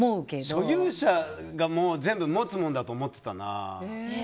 所有者がもう全部持つもんだと思ってたな。